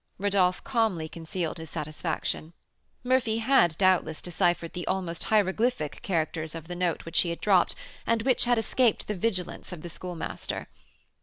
Rodolph calmly concealed his satisfaction; Murphy had, doubtless, deciphered the almost hieroglyphic characters of the note which he had dropped, and which had escaped the vigilance of the Schoolmaster.